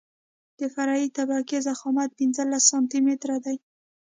د فرعي طبقې ضخامت پنځلس سانتي متره دی